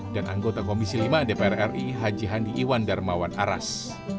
dan anggota komisi v dpr ri haji handi iwan darmawan aras